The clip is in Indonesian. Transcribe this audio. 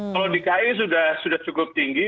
kalau di ki sudah cukup tinggi